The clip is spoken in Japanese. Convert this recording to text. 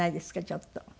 ちょっと。